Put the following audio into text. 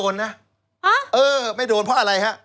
แล้วจะโดนไหม